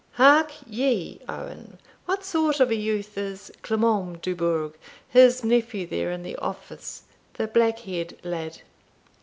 Hark ye, Owen, what sort of a youth is Clement Dubourg, his nephew there, in the office, the black haired lad?"